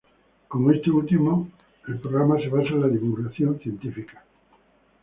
Como este último el programa se basa en la divulgación científica.